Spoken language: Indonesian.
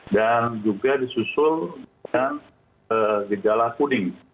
dan juga disusul dengan gejala kuning